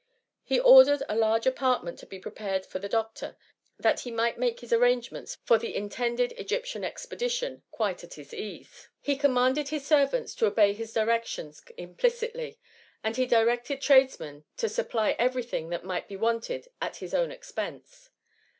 He ordered a large apartment to be prepared for the doctor, that he might make his arrange ments for the intended Egyptian expedition quite at his ease ; he commanded his servants to obey his directions implicitly, and he directed tradesmen to supply every thing that might be wanted at his own expense.